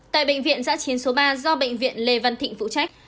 tại bệnh viện giã chiến số ba do bệnh viện lê văn thịnh phụ trách